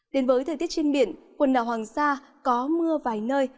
đến với thời tiết trên biển quần đảo hoàng sa có mưa vài nơi